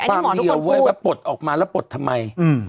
ความเดียวเว้ยว่าปลดออกมาแล้วปลดทำไม